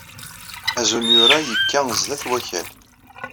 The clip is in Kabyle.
Azunyur-a yekka sdat Wakal.